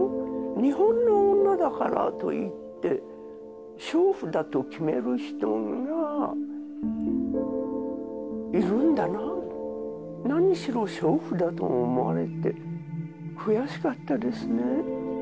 日本の女だからといって娼婦だと決める人がいるんだな何しろ娼婦だと思われて悔しかったですね